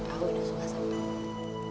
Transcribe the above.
aku udah suka sama